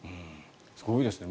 すごいですね。